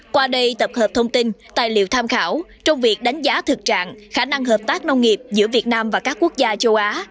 qua đây tập hợp thông tin tài liệu tham khảo trong việc đánh giá thực trạng khả năng hợp tác nông nghiệp giữa việt nam và các quốc gia châu á